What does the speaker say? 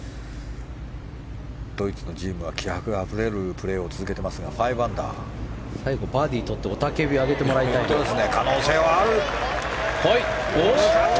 ドイツのジームは気迫あふれるプレーを続けていますが最後バーディーとって雄たけびを上げてもらいたいですね。